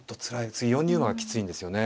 次４二馬がきついんですよね。